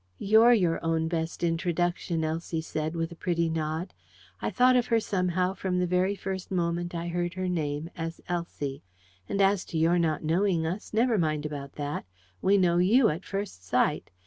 "You're your own best introduction," Elsie said, with a pretty nod: I thought of her somehow from the very first moment I heard her name as Elsie. "And as to your not knowing us, never mind about that. We know YOU at first sight.